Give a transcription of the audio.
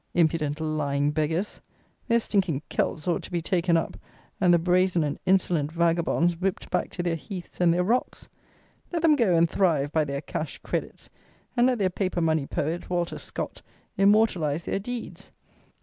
Impudent, lying beggars! Their stinking "kelts" ought to be taken up, and the brazen and insolent vagabonds whipped back to their heaths and their rocks. Let them go and thrive by their "cash credits," and let their paper money poet, Walter Scott, immortalize their deeds.